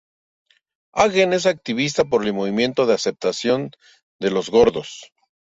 Hagen es activista por el movimiento de aceptación de los gordos.